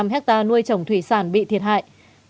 tám năm ha nuôi trồng thủy sản bị thiệt hại